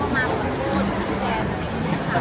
ช่องความหล่อของพี่ต้องการอันนี้นะครับ